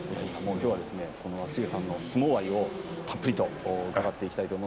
きょうは松重さんの相撲愛をたっぷりと伺っていきます。